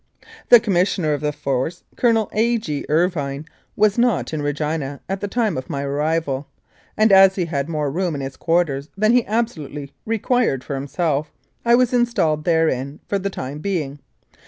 The Commissioner of the Force, Colonel A. G. Irvine, was not in Regina at the time of my arrival, and as he had more room in his quarters than he absolutely required for himself, I was installed therein for the time being.